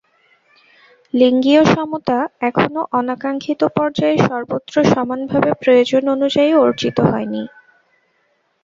লিঙ্গীয় সমতা এখনো আকাঙ্ক্ষিত পর্যায়ে সর্বত্র সমানভাবে প্রয়োজন অনুযায়ী অর্জিত হয়নি।